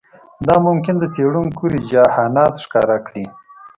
دا ممکن د څېړونکو رجحانات ښکاره کړي